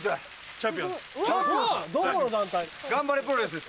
チャンピオンです。